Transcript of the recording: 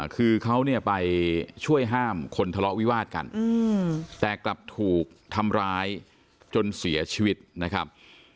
คือเขาเนี่ยไปช่วยห้ามคนทะเลาะวิวาดกันแต่กลับถูกทำร้ายจนเสียชีวิตนะครับ